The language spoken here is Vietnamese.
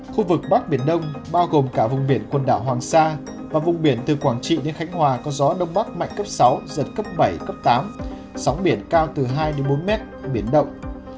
khu vực bắc biển đông bao gồm cả vùng biển quần đảo hoàng sa và vùng biển từ quảng trị đến khánh hòa có gió đông bắc mạnh cấp sáu giật cấp bảy cấp tám sóng biển cao từ hai bốn mét biển động